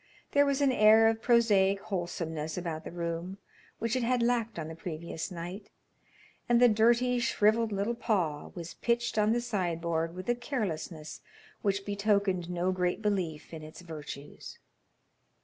There was an air of prosaic wholesomeness about the room which it had lacked on the previous night, and the dirty, shrivelled little paw was pitched on the sideboard with a carelessness which betokened no great belief in its virtues.